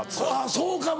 そうかも。